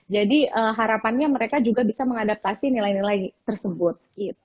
jadi harapannya mereka juga bisa mengadaptasi nilai nilai tersebut